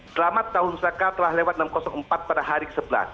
selamat tahun saka telah lewat enam ratus empat pada hari ke sebelas